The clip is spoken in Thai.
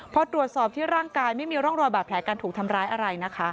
พอตรวจสอบที่ร่างกายไม่มีร่องรอยบาดแผลการถูกทำร้ายอะไรนะคะ